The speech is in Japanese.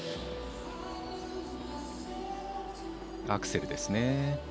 アクセルですね。